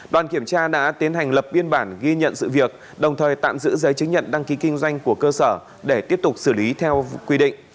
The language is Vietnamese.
đoàn kiểm tra đã tiến hành lập biên bản ghi nhận sự việc đồng thời tạm giữ giấy chứng nhận đăng ký kinh doanh của cơ sở để tiếp tục xử lý theo quy định